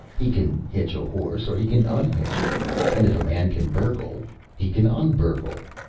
He can hitch a horse, or he can un hitch it. And if a man can burgle, he can un burgle.